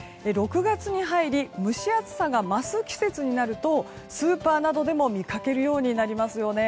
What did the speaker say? ６月に入り蒸し暑さが増す季節になるとスーパーなどでも見かけるようになりますよね。